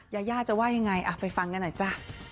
ยาย่าจะว่ายังไงไปฟังกันหน่อยจ้ะ